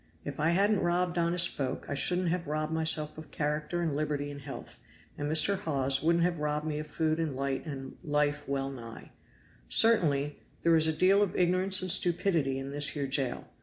If I hadn't robbed honest folk I shouldn't have robbed myself of character and liberty and health, and Mr. Hawes wouldn't have robbed me of food and light and life wellnigh. Certainly there is a deal of ignorance and stupidity in this here jail.